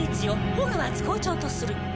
「ホグワーツ校長とする」